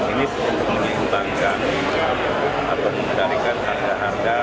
ini untuk menginginkan kami atau menarikan harga harga